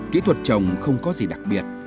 kỹ thuật trồng không có gì đặc biệt